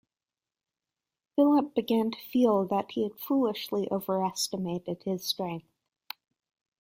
Philip began to feel that he had foolishly overestimated his strength.